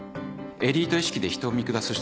エリート意識で人を見下す人